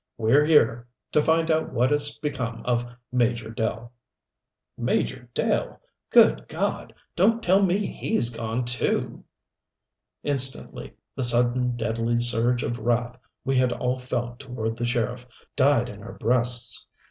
We're here to find out what has become of Major Dell." "Major Dell! Good God, don't tell me he's gone too." Instantly the sudden, deadly surge of wrath we had all felt toward the sheriff died in our breasts.